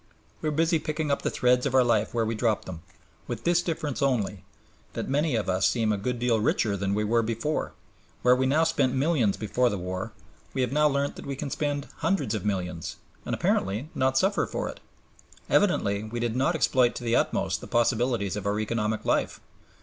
We are busy picking up the threads of our life where we dropped them, with this difference only, that many of us seem a good deal richer than we were before. Where we spent millions before the war, we have now learnt that we can spend hundreds of millions and apparently not suffer for it. Evidently we did not exploit to the utmost the possibilities of our economic life.